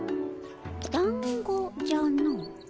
だんごじゃの。